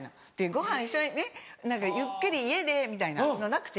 ごはん一緒にゆっくり家でみたいなのなくて。